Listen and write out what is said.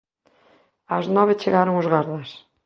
Ás nove chegaron os gardas.